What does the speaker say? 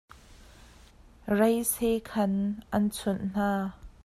Raise khaan an chunh hna.